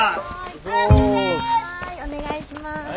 お願いします。